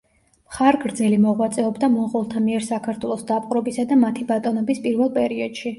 მხარგრძელი მოღვაწეობდა მონღოლთა მიერ საქართველოს დაპყრობისა და მათი ბატონობის პირველ პერიოდში.